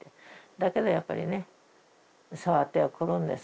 だけどやっぱりね触ってはくるんですけどね。